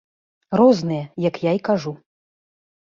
Розныя, як я і кажу.